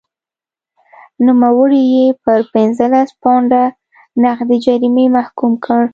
نوموړی یې پر پنځلس پونډه نغدي جریمې محکوم کړ.